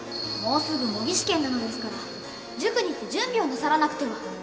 もうすぐ模擬試験なのですから塾に行って準備をなさらなくては。